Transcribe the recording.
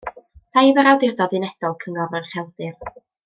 Saif yn Awdurdod Unedol Cyngor yr Ucheldir.